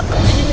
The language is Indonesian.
kasih dia lo